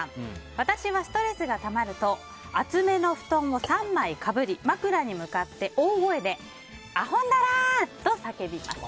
私はストレスがたまると厚めの布団を３枚かぶり、枕に向かって大声であほんだらー！と叫びます。